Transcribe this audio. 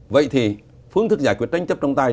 vậy thì phương thức giải quyết tranh chấp trong tài